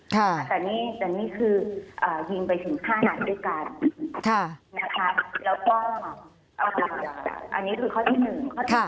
แต่นี่คือหิมไปถึงข้ากันด้วยกันนะค่ะ